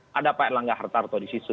siapa erlangga hartarto di situ